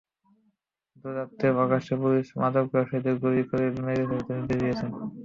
Duterte প্রকাশ্যে পুলিশকে মাদক ব্যবসায়ীদের গুলি করে মেরে ফেলতে নির্দেশ দিয়েছেন।